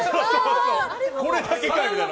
これだけかみたいな。